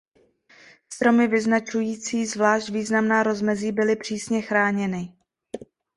Stromy vyznačující zvlášť významná rozmezí byly přísně chráněny.